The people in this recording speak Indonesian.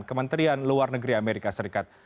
kementerian luar negeri amerika serikat